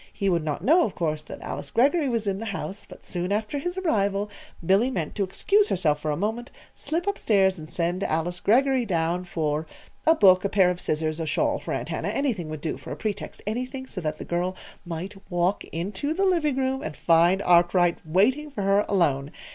He would not know, of course, that Alice Greggory was in the house; but soon after his arrival Billy meant to excuse herself for a moment, slip up stairs and send Alice Greggory down for a book, a pair of scissors, a shawl for Aunt Hannah anything would do for a pretext, anything so that the girl might walk into the living room and find Arkwright waiting for her alone.